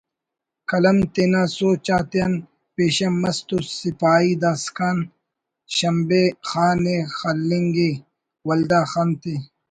قلم تینا سوچ آتیان پیشن مس تو سپاہی داسکان شمبے خانءِ خلنگءِ ولدا خن تے